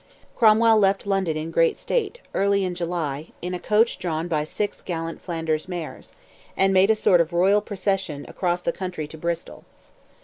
Cromwell left London in great state, early in July, "in a coach drawn by six gallant Flanders mares," and made a sort of royal procession across the country to Bristol.